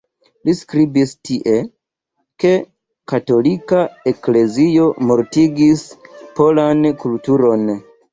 Li skribis tie, ke katolika eklezio "mortigis polan kulturon".